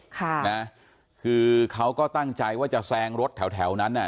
ค่ะนะคือเขาก็ตั้งใจว่าจะแซงรถแถวแถวนั้นอ่ะ